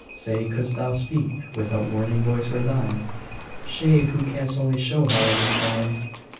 Say, could'st thou speak, what warning voice were thine? Shade, who canst only show how others shine!